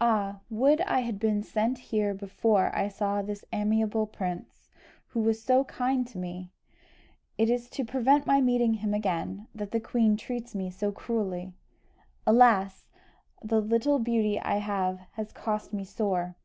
"Ah, would I had been sent here before I saw this amiable prince, who was so kind to me! It is to prevent my meeting him again, that the queen treats me so cruelly. Alas! the little beauty I have has cost me sore!"